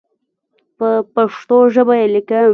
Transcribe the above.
په پښتو ژبه یې لیکم.